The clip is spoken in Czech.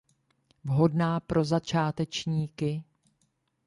Vhodná pro začátečníky.